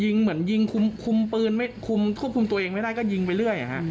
เหมือนยิงคุมปืนไม่คุมควบคุมตัวเองไม่ได้ก็ยิงไปเรื่อย